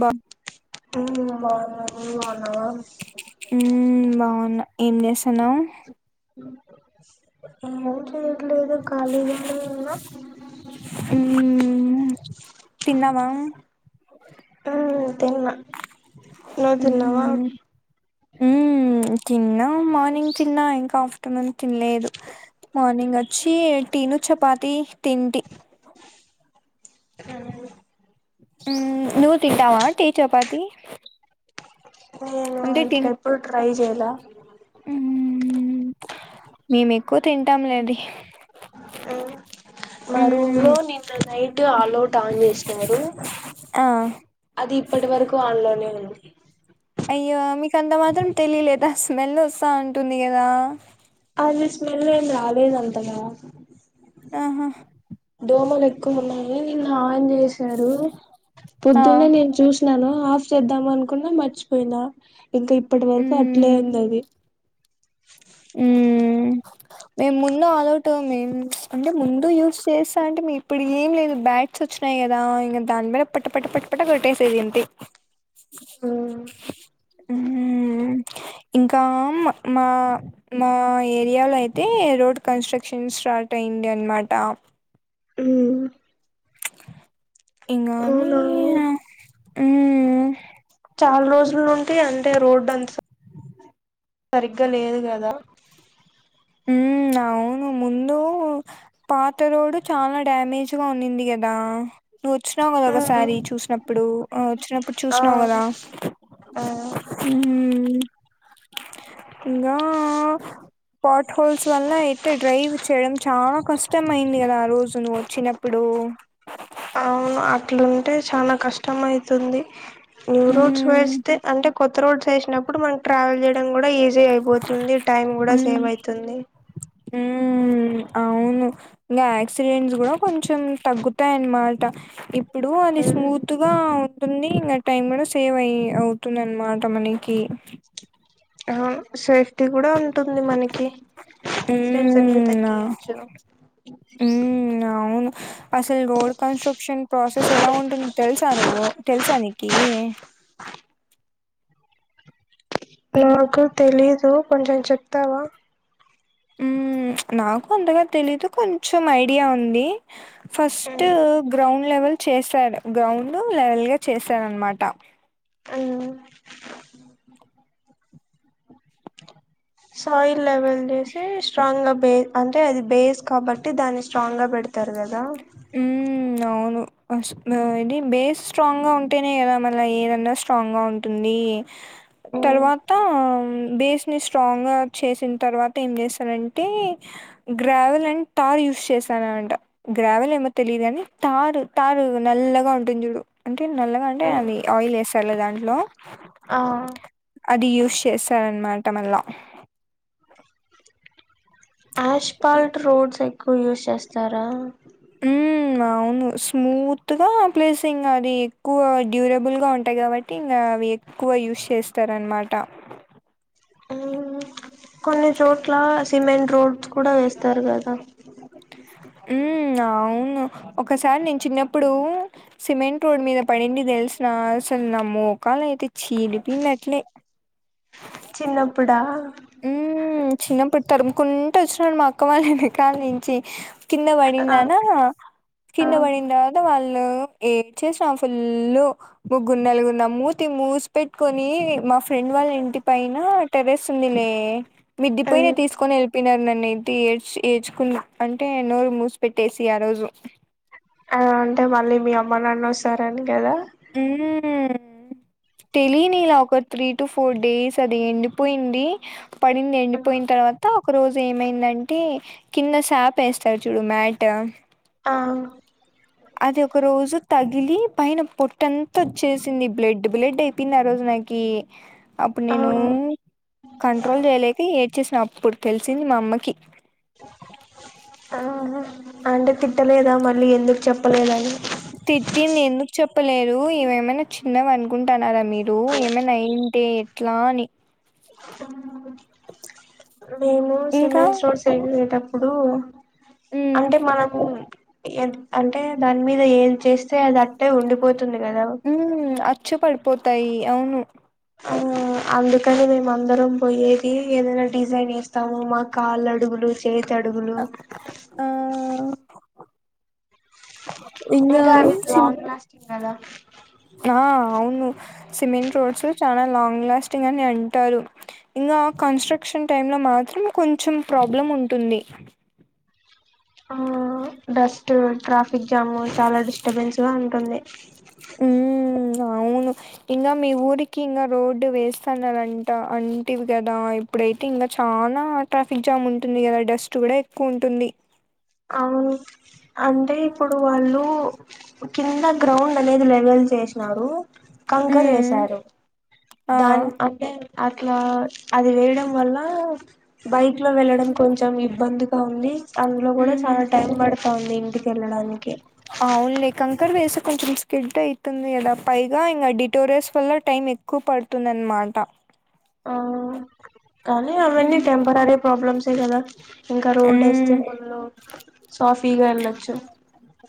బా మన ఎండి సనం ఏంట తిన్నామ అద నా మ్మ్ తిన్నా మార్నింగ్ తిన్నా ఇంకా మం తినలేదు మార్నింగ్ అ చ్చి టీను చపాతి తింటిీ ఆ నువవు తింటావా టే చపాతి ేను అంటే తిన్ అంతప్పు తైజేలా తింటాం లేదు మా రూమ్ మ్మ్ లో నిన్న నైట్ ఆల్ అవుట్ ఆన్ చేసినారు ఆ అది ఇప్పటి వరకు ఆన్ లోనే ఉంది అయ్యో మీక అంత మాత్రం తెలియలేదా స్మెల్ వస్తా ఉంటుంది కదా అదిది స్మెల్ ఏం రాలేద అంతద ఆహా కోమలు ఎక్కువ ఉన్నాయి నిన్న ఆయిన్ చేసి ారు ఆ పొద్దున్నే నేను చూసినను ఆఫ్ చేద్దాం అనుకున్నా మర్చిపోయిందా ఇంకా ఇప్పటి వరకు అట్లే మ్మ్ ఉంది అది మేము ముందు ఆల్వుట్ మేమ్ అంటే ముందు యూస్ చేస్తా అంటే ఇప్పుడు ఏం లేదు బ్యాట్స్ వచ్చినాయి కదా ఇంకా దాని మీద పట్ పట్ట పట్పట్ట కొట్టేసేది ఏంటి ఇంకా మా మా ఏరియాలో అయితే రోడ్ కన్స్ట్రక్షన్ స్టార్ట్ అయింది అనమాట ఉమ్ ఎంగ అవునా అ నాల రోజుల నుండి అంటే రోడ్డు అంత సరిగ్గా లేదు కదా ఉ అవును ముందు పాత రోడ్ చాలా డ్యామేజ్గా ఉన్నింది కదా నువ్వు వచ్చినావు కదా ఒక ఉమ్ సారి చూసినప్పుడు వచ్చినప్పుడు ఆ చూసినావు కదా ఆ ఉహు ఇంకా ట్ హోల్స్ వల్ల ఇ డ్రైవ్ చేయడం చాలా కష్టం ఇష్ట అయింది కదా ఆ రోజు నువ్వు వచ్చినప్పుడు అవును అట్లుంటే చాలా కష్టం అయితుంది న్యూోడ్స్ మ్మ్ వేస్తే అంటే కొత్త రోడ్స్ వేసినప్పుడు మనం ట్రావెల్ చేయడం కూడా ఈజీ అయిపోతుంది టైమ్ కూడా సేవ అయితుంది హ అవును గ యాక్సిడెంట్స్ కూడా కొంచెం తగ్గు తగ్గుతాయి అన్న మాట ఇప్పు ఇప్పుడు అది ఉమ్, స్మూత్ గా ఉంటుంది ఇంకా టైమ్ కూడా సేవ్ అయి అవుతుందినమాట మనకి అవును సేఫ్ టి కూడా ఉంటుంది మనకి యాక్సిడెంట్స్ అనేవి మ్మ్ ఆ తగ్గియచ్చు మ్మ్ అవును అసలు రోడ్ కన్స్ట్రక్షన్ ప్రాసెస్ ఎలా ఉంటుంది తెలుసా నువ్వు తెలుసానికి నాకు తెలీదు కొంచెం చెప్తావా నాకు అంతగా తెలీదు కొంచెం ఐడియా ఉంది ఫస్ట్ ఉమ్ గ్రౌండ్ లెవెల్ చేశాడు గ్రౌండ్ లెవెల్ గా చేశాడు అనమాట సాయిల్ లెవెల్ చేసి స్ట్రాంగ్ గా బేస్ అంటే అది బేస్ కాబట్టి దాన్ని స్ట్రాంగ్ గా పెడతారు కదా హ అవును ఇది బేస్ స్ట్రాంగ్గా ఉంటేనే కదా మళ్ళీ ఏదన్నా స్ట్రాంగ్గా ఉంటుంది తర్వాత బేస్ ని స్ట్రాంగ్ గా చేసిన తర్వాత ఏం చేస్తానంటే గ్రావెల్ అండ్ తార్ యూస్ చేసాననట గ్రావెల్ ఏమో తెలియదు కాని తారు తారు నల్లగా ఉంటుంది చూడు అంటే నల్లగా అంటే అది ఆయిల్ వేస్తారులే దాంట్లో ఆ అది యూస్ చేస్తార అనమాట కట్టమ యాష్పాల్ట్ రోడ్స్ ఎక్కువ యూస్ చేస్తారా అవును స్మూత్గా ప్లేస్ ఇ అది ఎక్కువ డ్యూరబుల్ గా ఉంటాయి కాబట్టి ఇకా అవి ఎక్కువ యూస్ చేస్తారనమాట మ్మ్. కొన్ని చోట్ల సిమెంట్ రోడ్ కూడా వేస్తారు కదా ఉహ్ అవును ఒకసారి నేను చిన్నప్పుడు సిమెంట్ రోడ్ మీద పడింది తెలిసిన అసలు నా మోకాలు అయితే చీడిపింది అట్లే చిన్నప్పుడా ఊ చిన్నప్పుడు తరుముకుంటూ వచ్చినాడు మా అక్క వాళ్ళ ఎనకాల్ నుంచి కిన్న ఆ వడిందనా ఆ కిన్న వడిందద వాళ్ళు ఏడ్చేసి నా ఫులు ముగ్గున్నలుగురు నా మూతి మూసి పెట్టుకొని మాఫ్ ఫ్రెండ్ వాళ్ళ ఇంటిపైన టెర్రస్ వుంది లే మిద్దిపయినే మ్మ్. తీసుకొని ఎళ్ళిపోయినారు నన్ నయితే ఏడ్చి ఏచుకు అంటే నోరు మూసి పెట్టేసి ఆ రోజు అ అంటే మళ్ళీ మీ అమ్మ నాన్న వస్తారని కదా ఊ తెలియని ఇలా ఒక త్రీ టు ఫోర్ డేస్ అది ఎండిపోయింది పడింది ఎండిపోయిన తర్వాత ఒక రోజు ఏమైందంటే కింద శాప వేస్తారు చూడు మ్యాటు ఆ అది ఒక రోజు తగిలి పైన పొట్టంతా వచ్చేసింది బ్లడ్ బ్లడ్ అయిపోయింది ఆ రోజు నాకి అప్పుడు నేను కంట్రోల్ చేయలేక ఏ వచ్చేసిన అప్పుడు తెలిసింది మా అమ్మకి ఆ అంటే తిట్టలేదా మళ్ళీ ఎందుకు చెప్పలేదని తిట్టింది ఎందుకు చెప్పలేరు ఇవేమైనా చిన్నవి అనుకుంటున్నారా మీరు ఏమనా అయుంటే ఎట్లా అని తా ఏమో ఇంకా సిమాన్స్ రోడ్స్ ఎలేటప్ దూ ఉమ్ అంటే మనము ఏంట్ అంటే దాని మీద ఏది చేస్తే అది అట్టే ఉండిపోతు తుంది కదావ్ పోతాయి అవును ఆ అందుకని మేము అందరం పోయేది ఏదైనా డిజైన్ వేస్తాము మా కాళ్ళు అడుగులు చేతడుగులు ఆ ఇంగా ఇంకా అన్ని సిమ్ లాంగ్ లాస్టింగ్ కదా ఆ అవును సిమెంట్ రోడ్స్ చానా లాంగ్ లాస్టింగ్ అని అంటారు ఇంకా కన్స్ట్రక్షన్ టైం లో మాత్రం కొంచెం ప్రాబ్లం ఉంటుంది ఆ డస్ట్ క్రఫ్ ఎగ్జామ్ చాలా డిస్టర్బెన్స్ గా ఉంటుంది ఊ అవును ఇంకా మీ ఊరికి ఇంకా రోడ్డు వేస్తున్నారంట అంటివి కదా ఇప్పుడైతే ఇంకా చానా ట్రాఫిక్ జామ్ ఉంటుంది కదా డస్ట్ కూడా ఎక్కువ ఉంటుంది అవును అంటే ఇప్పుడు వాళ్ళు కింద గ్రౌండ్ అనేది లెవెల్ చేశినారు కంకర్ మ్మ్ వేశారు ఆ దాన్ అంటె అట్లా అది వేయడం వల్లా బైక్ లో వెళ్ళడం కొంచెం ఇబ్బంది కావులీ అందులో గూడా మ్మ్ చాలా టైం బడుతోంది ఇంటి వెళ్ళడానికి అవునులే కంకర్ వేసి కొంచెం స్కిడ్ అయితుంది కదా పైగా ఇంగ డిటోరియాస్ వల్ల టైం ఎక్కువ పడుతుంది అనమాట ఆ కానీ అవన్ని టెంపరీ ప్రాబ్లమ్స్ ఎ కదా ఇంకా రోడ్ ఎస్తే మ్మ్ వళ్ళు సాఫీగా ఎల్లచ్చు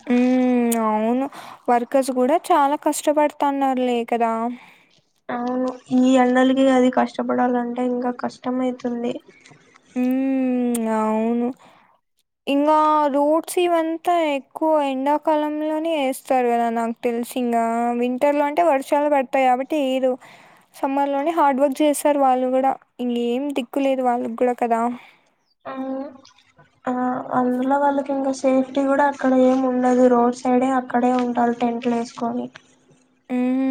హ్మ్. అవును. వర్కర్స్ గూడా చాలా కష్టపడుతాన్నారు లే కదా అవును ఈ ఎండలకి అది కష్టపడాలంటే ఇంకా కష్టం అయితుంది మ్ అవును ఇంకా రోడ్స్ ఇవంతా ఎక్కువ ఎండాకాలంలోనే వేస్తారు కదా నాకు తెలిసి ఇంగా వింటర్ లో అంటే వర్షాలు పడతాయి కాబట్టి ఏదో సమ్మర్ లోనే హార్డ్ వర్క్ చేస్తారు వాళ్ళు గూడా ఇంక ఏం దిక్కులేదు వాళ్ళ కూడా క్కదా మ్ ఆ అందులో వాళ్ళకి ఇంకా సేఫ్టీ గుడా అక్కడ ఏమి ఉండదు రోడ్ సైడే అక్కడే ఉండాలి టెంట్లు వేసుకొని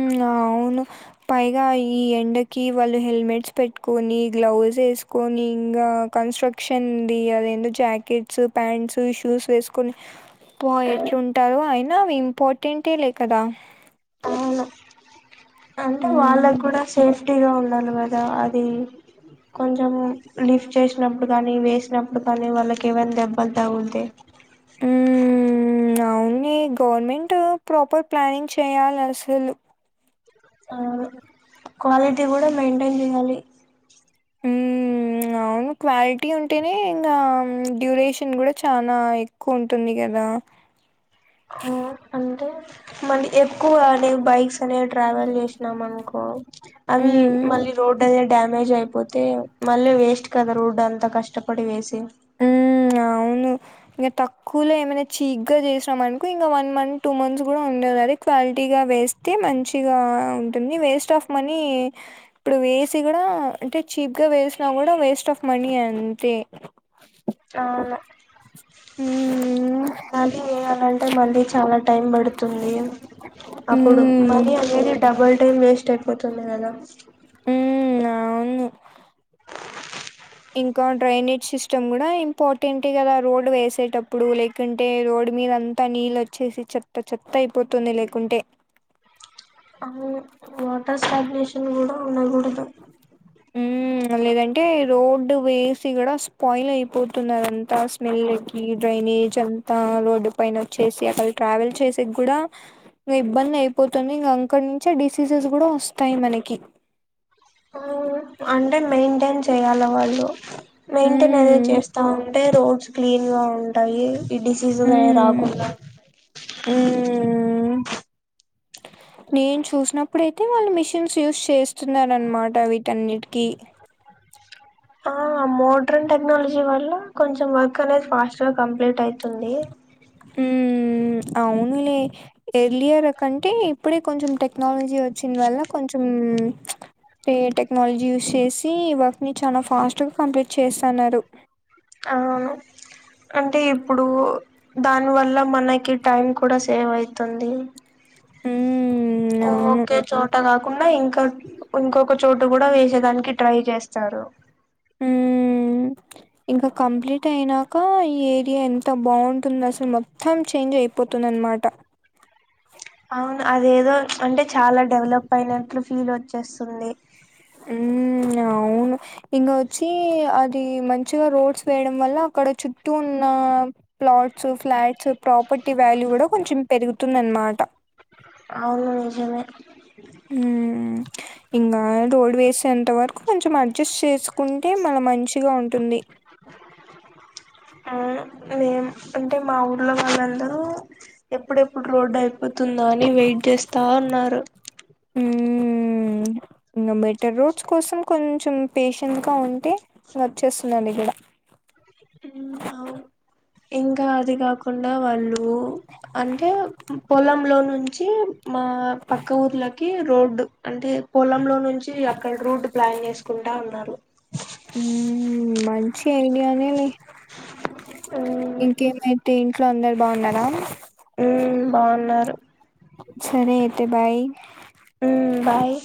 మ్ అవును పైగా ఈ ఎండకి వళ్ళు హెల్మెట్స్ పెట్టుకొని గ్లౌస్ వేసుకొని ఇంగా కన్స్ట్రక్షన్ ఉంది అదేంటో జాకెట్స్ ప్యాంట్స్ షూస్ ఏసుకొని ప ఎట్లుంటారో అయినా అవి ఇంపార్టెంటే లే కదా అవును అంటే హ్మ్. వాళ్ళకు కూడా సేఫ్ ఫ్టీగా ఉండాలి కదా అది కొంచెం లిఫ్ట్ చేశినప్పుడు కానీ వేసినప్పుడు కానీ వాళ్ళకి ఏవైనా దెబ్బలు తగుల్తె అవున్ని గవర్నమెంట్ ప్రాపర్ ప్లానింగ్ చేయాలి అసలు ఆను క్వాలిటీ కూడా మెయింటైన్ చేయాలి మ్ అవును క్వాలిటీ ఉంటేనే ఇంకా డ్యూరేషన్ గూడా చాలా ఎక్కువుంటుంది కదా మళ్ళి ఎక్కువ అనే బైక్స్ అనేవి ట్రావెల్ చేశినాం అనుకో అవి హ్మ్. మళ్ళీ రోడ్ డ్యామేజ్ అయిపోతే మళ్ళీ వేస్ట్ కదా రోడ్ అంతా కష్టపడి వేసి మ్ అవును ఇంగ తక్కువలో ఏమైనా చీప్గా చేసినాం అనుకో ఇంకా వన్ మంత్ టూ మంత్స్ కూడా ఉండే అదది క్వాలిటీగా వేస్తే మంచిగా ఉంటుంది వేస్ట్ ఆఫ్ మనీ ఇప్పుడు వేసి గుడా అంటే చీప్ గా వేసినా కూడా వేస్ట్ ఆఫ్ మనీ అంతే ఆను హ్మ్. మళ్ళీ వెయాలంటే మళ్ళీ చాలా టైం పడుతుంది అప్పుడు హ్మ్. మనీ అనేది డబుల్ టైం వేస్ట్ అయిపోతుంది గదా ఉం ఆవ్ను ఇంకా డ్రైనేజ్ సిస్టమ్ గుడా ఇంపార్టెంట్ కదా రోడ్ వేసేటప్పుడు లేకుంటే రోడ్ మీద అంతా నీళ్ళు వచ్చేసి చెత్త చెత్త అయిపోతుంది లెకుంటే అవును వాటర్ స్టాబ్ [unintelligible] షన్ కూడా ఉన్నా దు ఉమ్ లేదంటే రోడ్డు వేసి గుడ స్పాయిల్ అయిపోతున్నాద్ అంతా స్మెల్కి డ్రైనేజ్ అంతా రోడ్డు పైన వచ్చేసి అక్కడ ట్రావెల్ చేసి కూడా ఇంక ఇబ్బంది అయిపోతుంది ఇంక అక్కడి నుంచే డిసీజెస్ కూడా వస్తాయ్ మనకి అంటే మెయింటన్ చేయాల వాళ్ళు మెయింటైన్ అనే ఉమ్ చేస్తా ఉంటే రోడ్స్ క్లీన్ గా యి ఈ డిసీస్ అయ్ ఉమ్ రాకుండ ఉమ్ నేను చూసినప్పుడయితే వాళ్ళు మిషిన్స్ యూస్ చేస్తున్నర్ అనమాట వీటన్నిటికీ ఆ మోడ్రన్ టెక్నాలజీ వల్ల కొంచెం వర్క్ అనేది ఫాస్ట్గా కంప్లీట్ ఐతుందీ మ్ అవున్లే ఎర్లియర్ కంటే ఇప్పుడే కొంచెం టెక్నాలజీ వచ్చిన్ వల్ల కొంచెం టెక్నాలజీ యూస్ చేసి వర్క్ని చాలా ఫాస్ట్గా కంప్లీట్ చేస్సన్నారు అవును అంటే ఇప్పుడూ దానివల్ల మనకి టైం కూడా సేవ్ ఐతుంది మ్ ఓకే చోట కాకుండ ఇంక ఇంకొక చోట కూడా వేసేదానికి ట్రై చేస్తారు మ్ ఇంకా కంప్లీట్ అయినాక ఈ ఏరియా ఎంత బాగుంటుంది అసలు మొత్తం చేంజ్ అయిపోతుంది అనమాట అవును అదేదో అంటే చాలా డెవలప్ అయినట్లు ఫీల్ వచ్చేస్తుంది మ్ అవును ఇంక వచ్చి అది మంచిగా రోడ్స్ వేయడం వల్ల అక్కడ చుట్టూ ఉన్న ప్లాట్స్ ఫ్లాట్స్ ప్రాపర్టీ వాల్యూ కూడా కొంచెం పెరుగుతుంది అన్మాట అవును నిజమె మ్ ఇంగ రోడ్ వేసేంత వరకు కొంచెం అడ్జస్ట్ చేసుకుంటే మళ మంచిగా ఉంటుంది ఆ మేం అంటే మా ఊర్లో వాళ్ళందరూ ఎప్పుడెప్పుడు రోడ్డు ఐత్ పోతుందా అని వెయిట్ చేస్తా ఉన్నారు మ్ [inaudible] రోడ్స్ కోసం కొంచెం పేషెంట్గా ఉంటే వచ్చేస్తున్నండి గుడ అవున్ ఇంకా అది కాకుండా వాళ్ళు అంటే పొలంలో ను మా పక్క ఊర్లకి రోడ్డ్ అంటే పొలంలో నుంచి అక్కడ రూట్ ప్లాన్ చేసుకుంటా ఉన్నారు మంచి ఐడియానే లే ఉమ్, ఇంకేమైతే ఇంట్లో అందర్ బాగున్నారా మ్ బాగున్నారు సరే అయితే బాయ్ మ్ బాయ్